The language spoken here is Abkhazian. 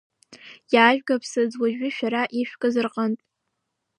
Иаажәг аԥсыӡ уажәы шәара ишәкыз рҟынтә.